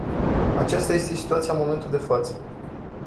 Aceasta este situația în momentul de față.